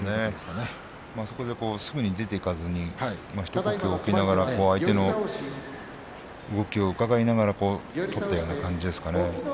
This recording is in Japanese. あそこですぐに出ていかずに一呼吸置きながら相手の動きを伺いながら取ったような感じですかね。